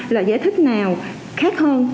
lời giải thích nào khác hơn